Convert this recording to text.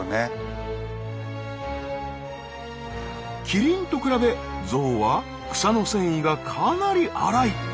キリンと比べゾウは草の繊維がかなり粗い。